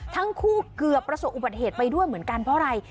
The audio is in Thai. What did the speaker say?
ทั้งคู่เกือบประสบอุบัติเหตุไปด้วยเหมือนกันเพราะอะไร